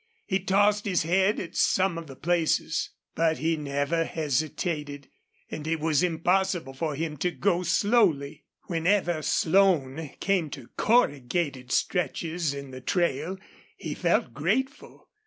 He tossed his head at some of the places. But he never hesitated and it was impossible for him to go slowly. Whenever Slone came to corrugated stretches in the trail he felt grateful.